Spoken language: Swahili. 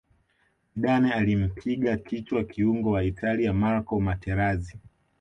zidane alimpiga kichwa kiungo wa italia marco materazi